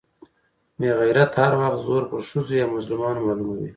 بې غيرته هر وخت زور پر ښځو يا مظلومانو معلوموي.